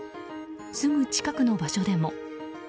すぐ近くの場所でも。